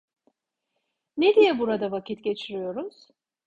Ne diye burada vakit geçiriyoruz?